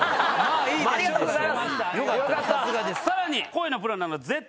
さらに。